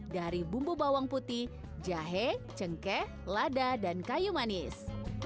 dari bumbu bawang putih jahe cengkeh lada dan kayu manis